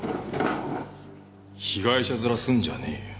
被害者ヅラすんじゃねえよ。